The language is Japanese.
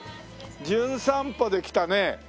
『じゅん散歩』で来たね